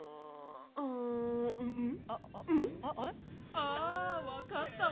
あー、分かったわ。